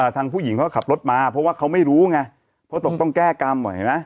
ทางผู้หญิงเขาก็ขับรถมาเพราะว่าเขาไม่รู้ไงเพราะตกต้องแก้กรรมเห็นไหม